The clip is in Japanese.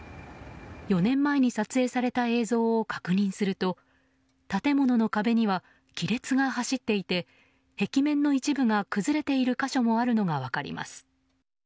４年前に撮影された映像を確認すると建物の壁には亀裂が走っていて壁面の一部が崩れている箇所があるのが分かります。